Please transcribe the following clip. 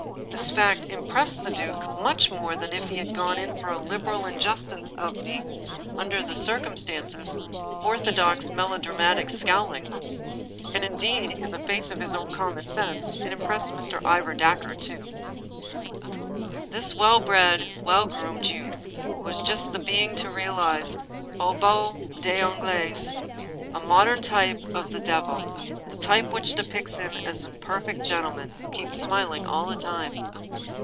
This fact impressed the duke much more than if he had gone in for a liberal indulgence of the — 287 ^ English Mystery Stories under the circumstances — orthodox melodramatic scowling*. And, indeed, in the face of his own common sense, it im pressed Mr. Ivor Dacre too. This well bred, well groomed youth was just the being to realize — aux bouts des ongles — ^a modern type of the devil, the type which depicts him as a perfect gentleman, who keeps smiling all the time.